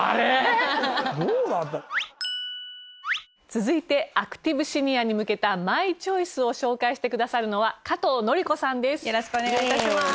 続いてアクティブシニアに向けたマイチョイスを紹介してくださるのは加藤紀子さんです。